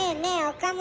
岡村。